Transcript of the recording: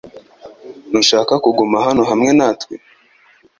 Ntushaka kuguma hano hamwe natwe?